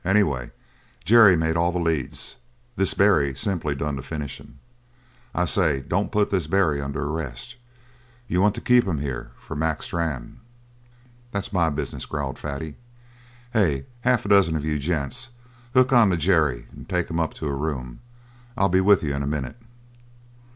Anyway, Jerry made all the leads; this Barry simply done the finishing. I say, don't put this Barry under arrest. You want to keep him here for Mac Strann." "That's my business," growled Fatty. "Hey, half a dozen of you gents. Hook on to Jerry and take him up to a room. I'll be with you in a minute."